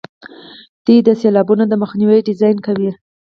دوی د سیلابونو د مخنیوي ډیزاین کوي.